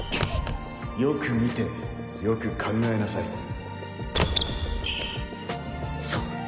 よく見てよく考えなそう！